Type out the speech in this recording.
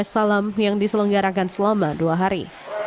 salam yang diselenggarakan selama dua hari